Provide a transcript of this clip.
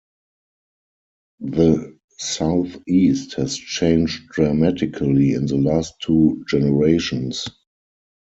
The Southeast has changed dramatically in the last two generations.